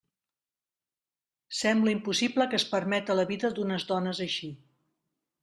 Sembla impossible que es permeta la vida d'unes dones així.